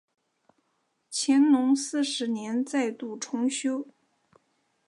乾隆四十年再度重修。